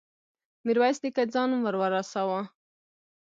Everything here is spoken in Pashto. ميرويس نيکه ځان ور ورساوه.